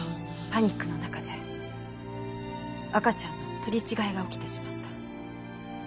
パニックの中で赤ちゃんの取り違いが起きてしまった。